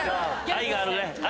愛がある。